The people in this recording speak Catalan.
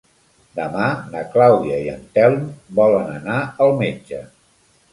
Demà na Clàudia i en Telm volen anar al metge.